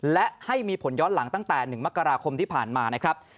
และให้มีผลย้อนหลังตั้งแต่๑มกราคมที่ผ่านมานะครับ